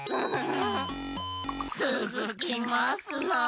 つづきますなあ！